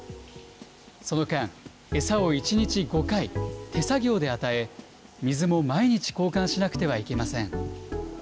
その間、餌を１日５回、手作業で与え、水も毎日交換しなくてはいけません。